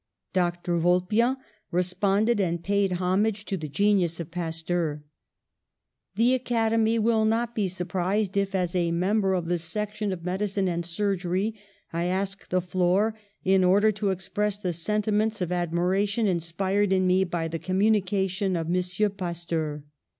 Dr. Vulpian responded and paid homage to the genius of Pasteur : "The Academy will not be surprised if, as a member of the section of medicine and surgery, I ask the floor in order to express the senti ments of admiration inspired in me by the com munication of M. Pasteur.